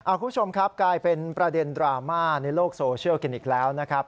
คุณผู้ชมครับกลายเป็นประเด็นดราม่าในโลกโซเชียลกันอีกแล้วนะครับ